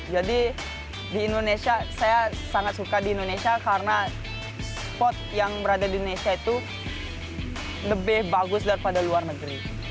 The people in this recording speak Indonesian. jadi di indonesia saya sangat suka di indonesia karena spot yang berada di indonesia itu lebih bagus daripada luar negeri